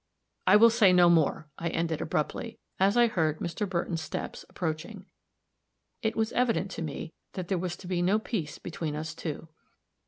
"I will say no more," I ended, abruptly, as I heard Mr. Burton's steps approaching. It was evident to me that there was to be no peace between us two.